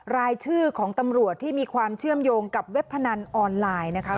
รายชื่อของตำรวจที่มีความเชื่อมโยงกับเว็บพนันออนไลน์นะคะ